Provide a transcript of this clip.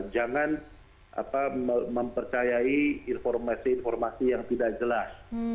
jangan mempercayai informasi informasi yang tidak jelas